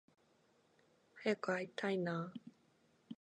早く会いたいな